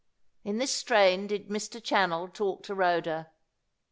In this strain did Mr. Channell talk to Rhoda.